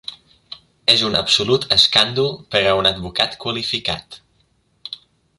És un absolut escàndol per a un advocat qualificat.